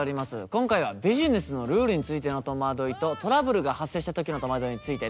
今回はビジネスのルールについての戸惑いとトラブルが発生した時の戸惑いについてです。